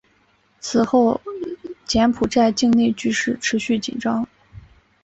此后柬埔寨境内局势持续紧张。